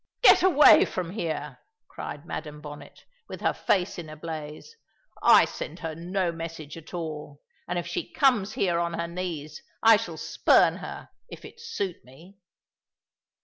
"Get away from here!" cried Madam Bonnet, with her face in a blaze. "I send her no message at all; and if she comes here on her knees, I shall spurn her, if it suit me."